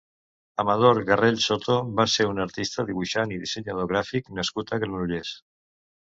Amador Garrell Soto va ser un artista, dibuixant i dissenyador gràfic nascut a Granollers.